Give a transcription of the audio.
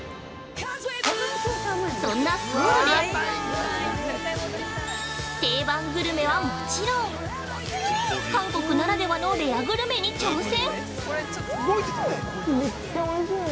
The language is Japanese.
そんなソウルで定番グルメはもちろん韓国ならではのレアグルメに挑戦！